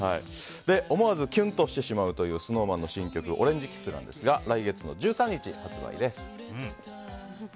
思わずキュンとしてしまうというＳｎｏｗＭａｎの新曲「オレンジｋｉｓｓ」ですが来月の１３日に発売です。